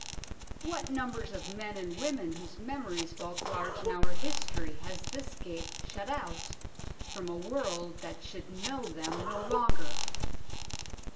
What numbers of men and women whose memories bulk large in our history has this gate shut out from a world that should know them no longer